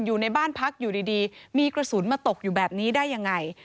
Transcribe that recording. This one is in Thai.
อยู่ในบ้านพักอยู่ดีมีกระสุนมาตกอยู่แบบนี้ได้ยังไง